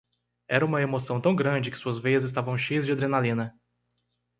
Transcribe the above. Era uma emoção tão grande que suas veias estavam cheias de adrenalina.